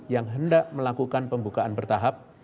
yang hendak melakukan pembukaan bertahap